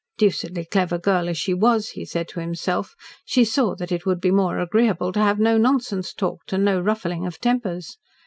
Deucedly clever girl as she was, he said to himself, she saw that it would be more agreeable to have no nonsense talked, and no ruffling of tempers.